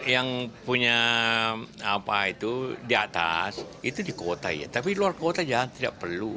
yang punya di atas itu di kota tapi di luar kota tidak perlu